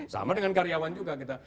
sama dengan karyawan juga kita